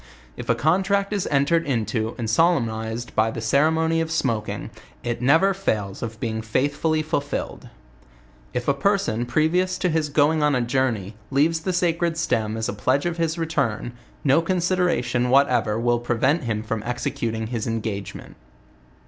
If a contract is entered into and solemnized by the ceremony of smoking, it never fails of being faithfully fulfilled.. If a person, previ ous to his going on a journey, leaves the sacred stem as a pledgo of his return, no consideration whatever will prevent him from executing his engagement.